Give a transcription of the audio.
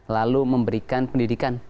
lalu memberikan pendidikan